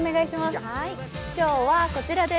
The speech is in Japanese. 今日はこちらです。